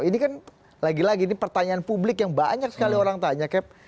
ini kan lagi lagi ini pertanyaan publik yang banyak sekali orang tanya ke